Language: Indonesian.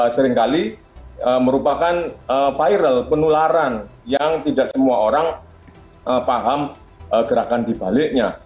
seringkali merupakan viral penularan yang tidak semua orang paham gerakan dibaliknya